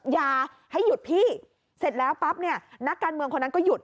อย่าให้หยุดพี่เสร็จแล้วปั๊บเนี่ยนักการเมืองคนนั้นก็หยุด